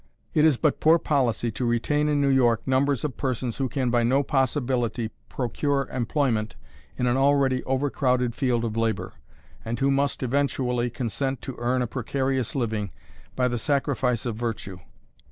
It is but poor policy to retain in New York numbers of persons who can by no possibility procure employment in an already overcrowded field of labor, and who must eventually consent to earn a precarious living by the sacrifice of virtue.